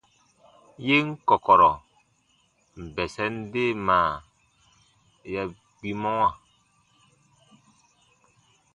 Yen kɔ̀kɔ̀rɔ̀ bɛsɛn deemaa ya gbimɔwa.